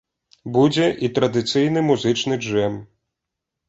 Будзе і традыцыйны музычны джэм.